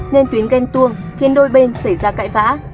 lên tuyến ghen tuông khiến đôi bên xảy ra cãi vã